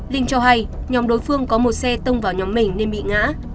linh cho hay nhóm đối phương có một xe tông vào nhóm mình nên bị ngã